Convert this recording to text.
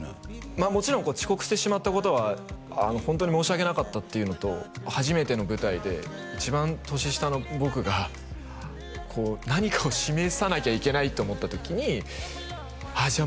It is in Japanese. まあもちろんこう遅刻してしまったことはあのホントに申し訳なかったっていうのと初めての舞台で一番年下の僕がこう何かを示さなきゃいけないと思ったときにああじゃあ